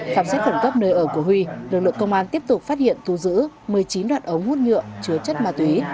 khám xét khẩn cấp nơi ở của huy lực lượng công an tiếp tục phát hiện thu giữ một mươi chín đoạn ống hút nhựa chứa chất ma túy